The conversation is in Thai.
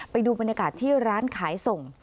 ไปดูบรรยากาศที่ร้านขายส่ง